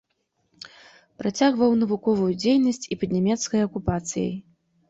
Працягваў навуковую дзейнасць і пад нямецкай акупацыяй.